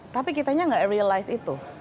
tapi kitanya enggak realize itu